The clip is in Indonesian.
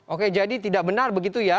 oke jadi tidak benar begitu ya